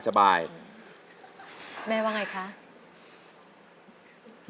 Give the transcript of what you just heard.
แม่ว่าอย่างไรคะ